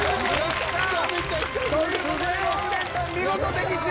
という事で６連単見事的中！